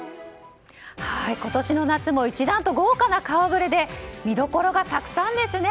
今年の夏も一段と豪華な顔ぶれで見どころがたくさんですね